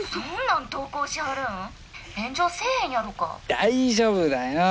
大丈夫だよ。